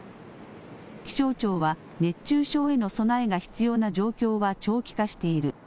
気象庁は、熱中症への備えが必要な状況は長期化している。